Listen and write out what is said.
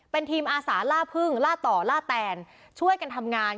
เป็นทีมอาสาล่าพึ่งล่าต่อล่าแตนช่วยกันทำงาน